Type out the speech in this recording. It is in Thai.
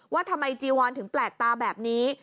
ว่าทำไมจีวอนถึงแปลกตาแบบนี้